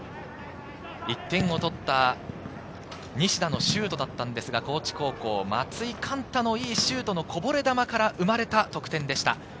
１点を取った西田のシュートだったんですが高知高校、松井貫太のいいシュートのこぼれ球から生まれた得点でした。